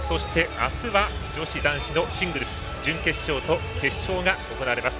明日は女子、男子のシングルス準決勝と決勝が行われます。